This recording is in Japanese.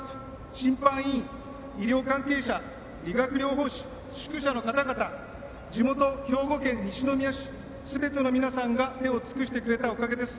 審判委員、医療関係者医学療法士宿舎の方々、地元・兵庫県西宮市すべての皆さんが手を尽くしてくれたおかげです。